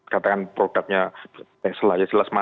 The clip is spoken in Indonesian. katakan produknya tesla